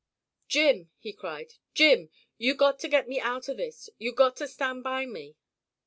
"Jim," he cried, "Jim! You got to get me out of this. You got to stand by me."